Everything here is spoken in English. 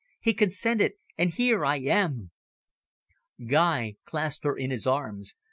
He consented, and here I am." Guy clasped her in his arms.